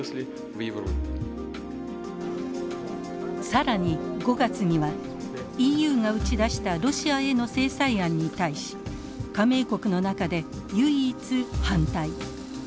更に５月にはＥＵが打ち出したロシアへの制裁案に対し加盟国の中で唯一反対。